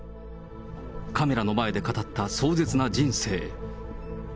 カメラの前で語った壮絶な人生。